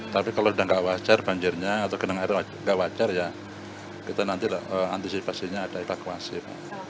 tapi kalau sudah gak wajar banjirnya atau gendangan air gak wajar ya kita nanti antisipasinya ada eklakuasi pak